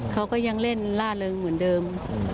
เขาก็ยังเล่นล่าเริงเหมือนเดิม